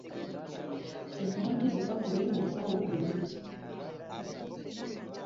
Emwanyi zipakire mu nsawo bulungi.